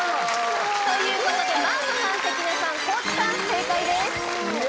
ということで真麻さん関根さん、高地さん正解です。